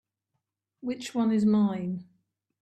Which one is mine?